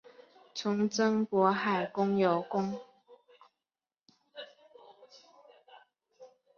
从征渤海国有功。